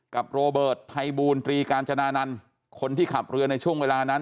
โรเบิร์ตภัยบูรตรีกาญจนานันต์คนที่ขับเรือในช่วงเวลานั้น